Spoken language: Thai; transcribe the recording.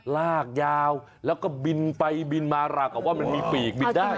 ลากยาวแล้วก็บินไปบินมาราวกับว่ามันมีปีกบินได้